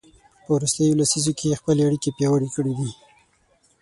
په وروستیو لسیزو کې یې خپلې اړیکې پیاوړې کړي دي.